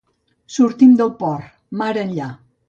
Sortim del port, mar enllà.